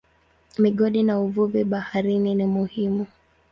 Migodi na uvuvi baharini ni muhimu.